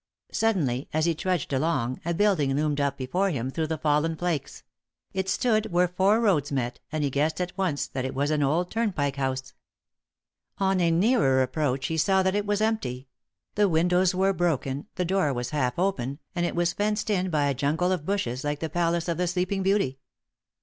Suddenly, as he trudged along, a building loomed up before him through the fallen flakes; it stood where four roads met, and he guessed at once that it was an old turnpike house. On a nearer approach he saw that it was empty; the windows were broken, the door was half open, and it was fenced in by a jungle of bushes like the palace of the Sleeping Beauty.